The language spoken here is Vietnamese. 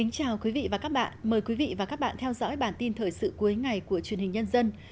chào mừng quý vị đến với bản tin thời sự cuối ngày của truyền hình nhân dân